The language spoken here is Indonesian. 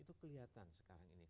itu kelihatan sekarang ini